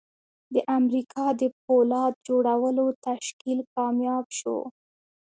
د امریکا د پولاد جوړولو تشکیل کامیاب شو